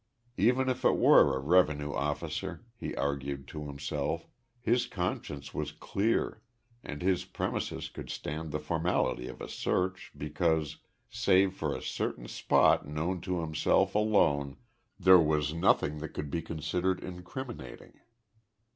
Even if it were a revenue officer, he argued to himself, his conscience was clear and his premises could stand the formality of a search because, save for a certain spot known to himself alone, there was nothing that could be considered incriminating.